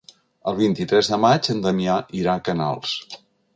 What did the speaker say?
El vint-i-tres de maig en Damià irà a Canals.